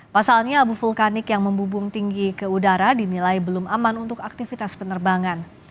pasalnya abu vulkanik yang membubung tinggi ke udara dinilai belum aman untuk aktivitas penerbangan